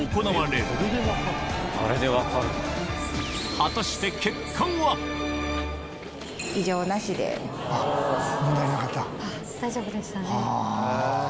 果たして大丈夫でしたね。